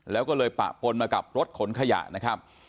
แล้วก็เลยปะปนมากับรถขนขยะนะครับ